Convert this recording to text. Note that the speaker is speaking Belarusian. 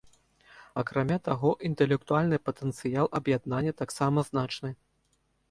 Акрамя таго, інтэлектуальны патэнцыял аб'яднання таксама значны.